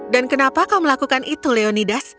dan kenapa kau melakukan itu leonidas